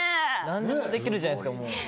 何でもできるじゃないですか、もう。